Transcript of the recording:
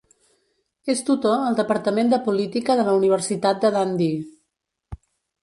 És tutor al departament de política de la Universitat de Dundee.